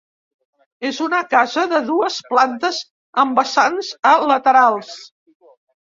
És una casa de dues plantes amb vessants a laterals.